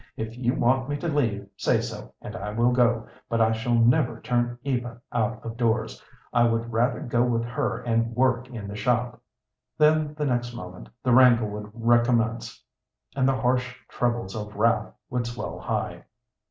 "If you want me to leave, say so, and I will go, but I shall never turn Eva out of doors. I would rather go with her and work in the shop." Then the next moment the wrangle would recommence, and the harsh trebles of wrath would swell high.